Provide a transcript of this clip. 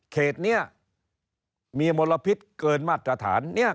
เขตเนี่ยมีมลพิษเกินมาตรฐานเนี่ย